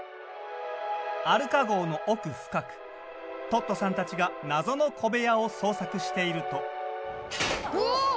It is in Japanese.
アルカ号の奥深くトットさんたちが謎の小部屋を捜索しているとうわっ！